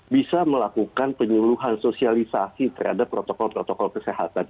bisa melakukan penyeluhan sosialisasi terhadap protokol protokol kesehatan